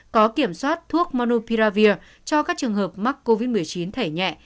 có kiểm soát thuốc monopiravir cho các trường hợp mắc covid một mươi chín thẻ nhẹ